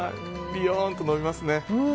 びよーんと伸びますね。